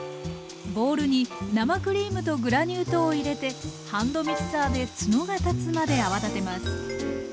ボウルに生クリームとグラニュー糖を入れてハンドミキサーでツノが立つまで泡立てます。